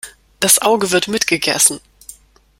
Das Auge wird mitgegessen.